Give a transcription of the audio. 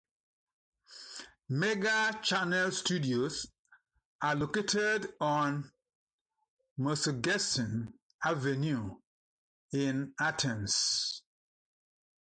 Mega Channel studios are located on Mesogeion Avenue in Athens.